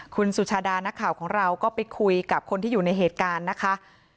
คุณสุชาดานักข่าวของเราก็ไปคุยกับคนที่อยู่ในเหตุการณ์นะคะ